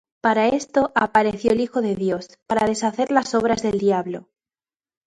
Para esto apareció el Hijo de Dios, para deshacer las obras del diablo.